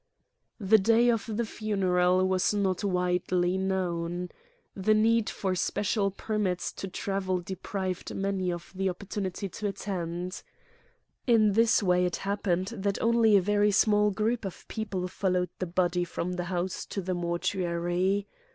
'* The day of the funeral was not widely known. The need for special permits to travel deprived many of the opportunity to attend. In this way it happened that only a very small group of peo ple followed the body from the house to the mor tuary.